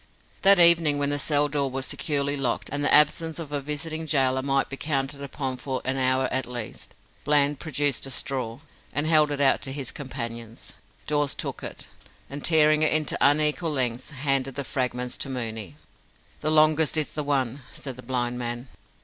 That evening, when the cell door was securely locked, and the absence of a visiting gaoler might be counted upon for an hour at least, Bland produced a straw, and held it out to his companions. Dawes took it, and tearing it into unequal lengths, handed the fragments to Mooney. "The longest is the one," said the blind man.